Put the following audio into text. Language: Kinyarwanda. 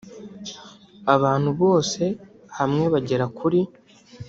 abantu bose hamwe bagera kuri